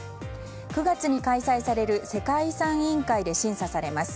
９月に開催される世界遺産委員会で審査されます。